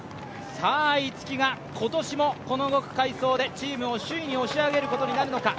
逸木が今年もこの５区快走でチームを首位に押し上げることになるのか。